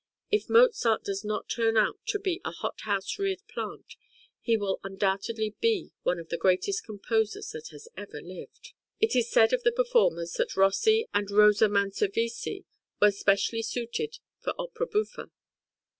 If Mozart does not turn out to be a hothouse reared plant, he will undoubtedly be one of the greatest composers that has ever lived." It was said of the performers that Rossi and Rosa Manservisi were specially suited for opera buffa.